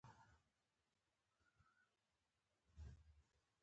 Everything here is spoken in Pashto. عمومي ترقي امکان نه لري.